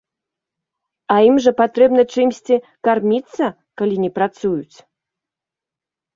А ім жа патрэбна чымсьці карміцца, калі не працуюць.